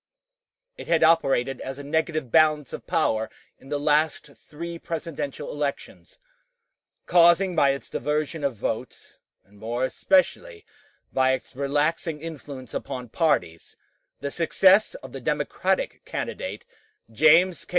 It had operated as a negative balance of power in the last three presidential elections, causing by its diversion of votes, and more especially by its relaxing influence upon parties, the success of the Democratic candidate, James K.